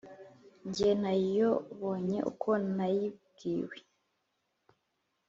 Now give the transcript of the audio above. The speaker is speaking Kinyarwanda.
Jye nayobonye ukwo nayibwiwe